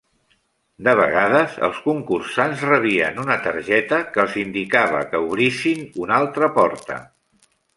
De vegades, els concursants rebien una targeta que els indicava que obrissin una altra porta.